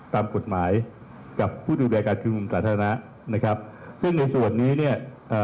ตามกฎหมายกับผู้ดูแลการชุมนุมสาธารณะนะครับซึ่งในส่วนนี้เนี่ยเอ่อ